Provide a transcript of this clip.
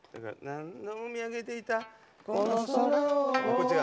「何度も見上げていたこの空を」